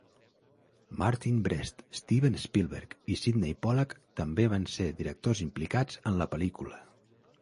Martin Brest, Steven Spielberg i Sydney Pollack també van ser directors implicats en la pel·lícula.